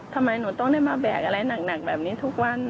ทำไมหนูต้องได้มาแบกอะไรหนักแบบนี้ทุกวัน